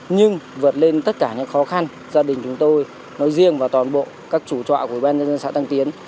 nhưng vượt lên tất cả những khó khăn gia đình chúng tôi nội riêng và toàn bộ các chủ trọ của bên dân xã tăng tiến